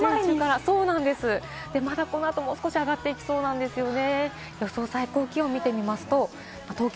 まだこの後、もう少し上がっていきそうなんですよね。